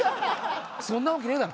そんなわけねえだろ！